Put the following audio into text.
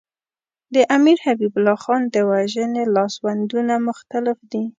د امیر حبیب الله خان د وژنې لاسوندونه مختلف دي.